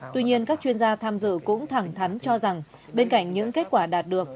tuy nhiên các chuyên gia tham dự cũng thẳng thắn cho rằng bên cạnh những kết quả đạt được